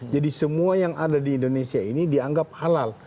jadi semua yang ada di indonesia ini dianggap halal